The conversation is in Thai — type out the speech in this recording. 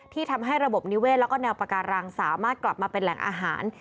ทำให้ระบบนิเวศแล้วก็แนวปาการังสามารถกลับมาเป็นแหล่งอาหาร